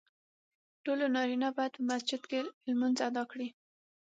ټولو نارینه باید په مسجد کې لمونځ ادا کړي .